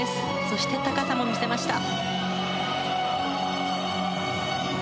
そして、高さも見せました。